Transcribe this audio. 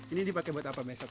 ini dipakai buat apa besok